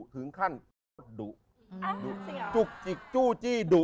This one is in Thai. ถึงขั้นอีกอย่างดุ